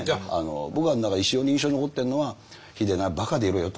僕の中で非常に印象に残ってるのは「秀なバカでいろよ」と。